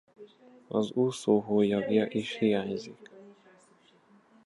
Az úszóhólyagja is hiányzik.